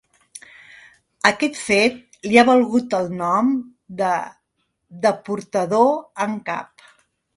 Aquest fet li ha valgut el nom de ‘deportador en cap’.